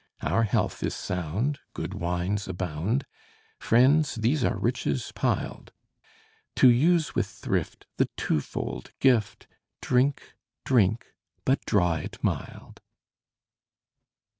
Our health is sound, good wines abound; Friends, these are riches piled. To use with thrift the twofold gift: Drink, drink but draw it mild!